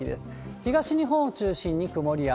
東日本を中心に曇りや雨。